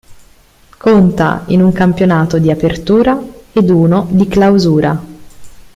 Conta in un campionato di Apertura ed uno di Clausura.